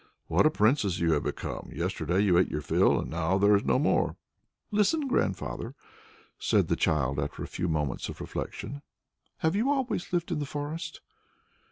"What a princess you have become! Yesterday you ate your fill, and now there is no more." "Listen, Grandfather," said the child after a few moments of reflection. "Have you always lived in the forest?"